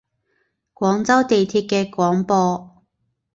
廣州地鐵嘅廣播